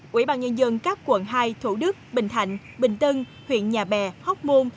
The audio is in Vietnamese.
quỹ ban nhân dân các quận hai thủ đức bình thạnh bình tân huyện nhà bè hóc môn